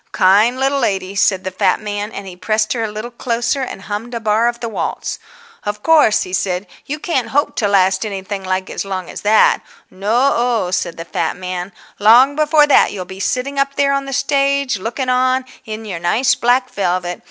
"Kind little lady," said the fat man, and he pressed her a little closer, and hummed a bar of the waltz. "Of course," he said, "you can't hope to last anything like as long as that. No o," said the fat man, "long before that you'll be sitting up there on the stage, looking on, in your nice black velvet.